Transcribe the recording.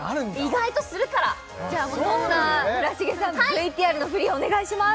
意外とするからじゃもうそんな村重さんＶＴＲの振りお願いします